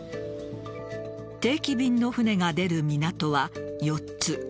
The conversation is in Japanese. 定期便の船が出る港は４つ。